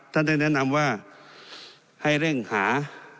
ท่านได้แนะนำว่าให้เร่งหา